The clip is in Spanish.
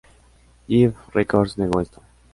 Jive Records negó esto.